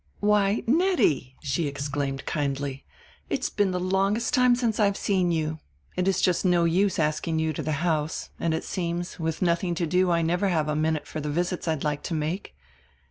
"Why, Nettie," she exclaimed kindly, "it's been the longest time since I've seen you. It is just no use asking you to the house, and it seems, with nothing to do, I never have a minute for the visits I'd like to make."